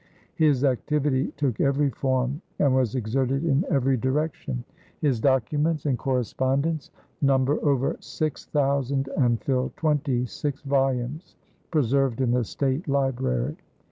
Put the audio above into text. His activity took every form and was exerted in every direction. His documents and correspondence number over six thousand and fill twenty six volumes preserved in the State Library.